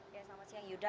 selamat siang yuda